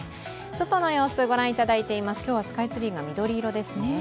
外の様子、ご覧いただいています、今日はスカイツリーが緑色ですね。